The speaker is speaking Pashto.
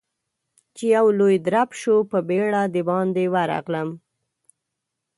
چې يو لوی درب شو، په بيړه د باندې ورغلم.